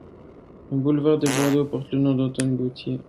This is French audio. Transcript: Un boulevard de Bordeaux porte le nom d'Antoine Gautier.